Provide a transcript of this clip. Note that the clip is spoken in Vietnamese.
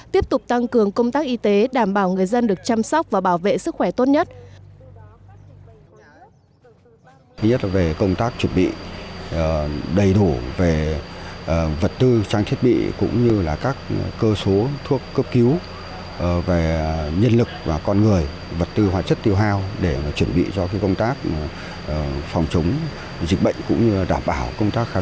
tiếp tục tăng cường công tác y tế đảm bảo người dân được chăm sóc và bảo vệ sức khỏe tốt nhất